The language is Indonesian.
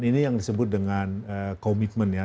ini yang disebut dengan komitmen ya